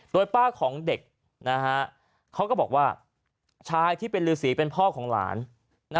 โดยป้าของเด็กเขาก็บอกว่าชายที่เป็นฤษีเป็นพ่อของหลาน